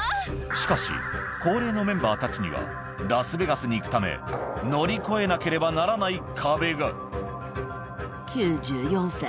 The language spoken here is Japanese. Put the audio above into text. ・しかし高齢のメンバーたちにはラスベガスに行くため乗り越えなければならないんんっ。